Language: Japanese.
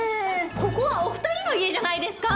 ここはお二人の家じゃないですか！